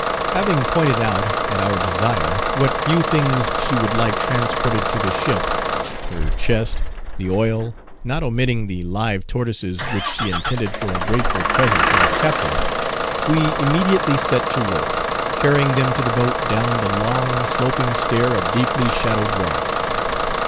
Having pointed out, at our desire, what few things she would like transported to the ship—her chest, the oil, not omitting the live tortoises which she intended for a grateful present to our Captain—we immediately set to work, carrying them to the boat down the long, sloping stair of deeply shadowed rock.